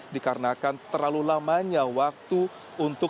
dikarenakan terlalu lamanya waktu untuk